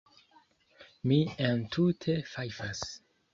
Mi entute fajfas.